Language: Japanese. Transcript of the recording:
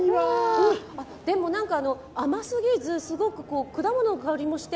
でも甘すぎず、すごく果物の香りもして。